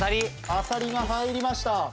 あさりが入りました。